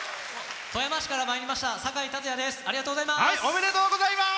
富山市からまいりましたさかいです。